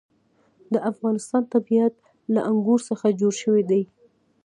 د افغانستان طبیعت له انګور څخه جوړ شوی دی.